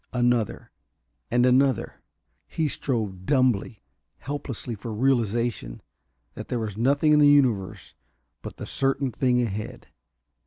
Another, and another. He strove dumbly, helplessly, for realization there was nothing in the universe but the certain thing ahead.